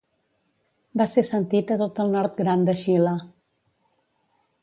Va ser sentit a tot el Nord Gran de Xile.